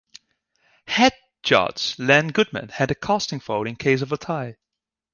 Head Judge Len Goodman had the casting vote in case of a tie.